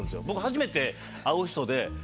僕初めて会う人で。